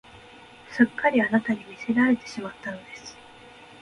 すっかりあなたに魅せられてしまったのです